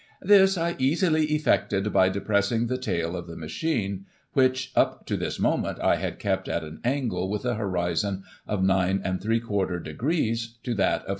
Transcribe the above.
" This I easily effected by depressing the tail of the machine, which, up to this moment, I had kept at an angle with the horizon of 9^ degrees, to that of 45.